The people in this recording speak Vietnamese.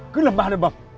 cứ làm ba đời bầm